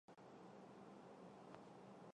他大约在楚简王时期担任圉县县令。